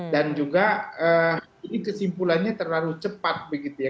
dan juga kesimpulannya terlalu cepat begitu ya